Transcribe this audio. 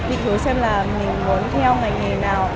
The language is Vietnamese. định hướng xem là mình muốn theo ngành nghề nào